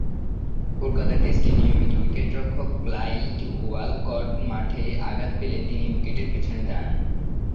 কলকাতা টেস্টে নিয়মিত উইকেট-রক্ষক ক্লাইড ওয়ালকট মাঠে আঘাত পেলে তিনি উইকেটের পিছনে দাঁড়ান।